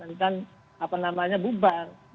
rentan apa namanya bubar